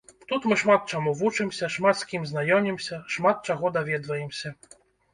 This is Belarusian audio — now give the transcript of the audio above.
Тут мы шмат чаму вучымся, шмат з кім знаёмімся, шмат чаго даведваемся.